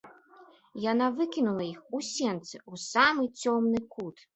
Яна выкінула іх у сенцы ў самы цёмны кут.